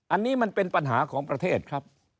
อันนี้มันเป็นปัญหาของประเทศครับ